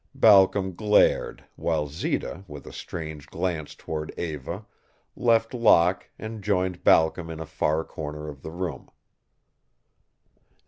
Balcom glared, while Zita with a strange glance toward Eva left Locke and joined Balcom in a far corner of the room.